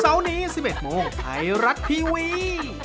เสาร์นี้๑๑โมงไทยรัฐทีวี